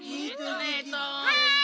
はい！